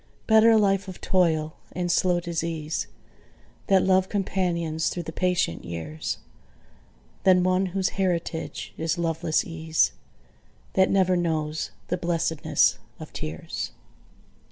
Better a life of toil and slow disease That LOVE companions through the patient years, Than one whose heritage is loveless ease, That never knows the blessedness of tears.